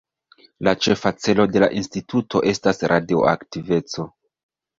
La ĉefa celo de la Instituto estas radioaktiveco.